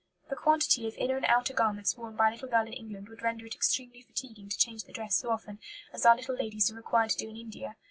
"The quantity of inner and outer garments worn by a little girl in England would render it extremely fatiguing to change the dress so often as our little ladies are required to do in India.